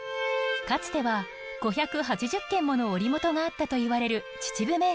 かつては５８０軒もの織り元があったといわれる秩父銘仙。